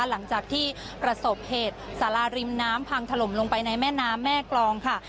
หลังจากที่ประสบเหตุสาราริมน้ำพังถล่มลงไปในแม่น้ำแม่กรองค่ะ